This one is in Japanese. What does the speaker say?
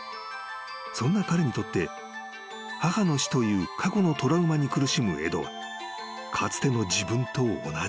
［そんな彼にとって母の死という過去のトラウマに苦しむエドはかつての自分と同じ］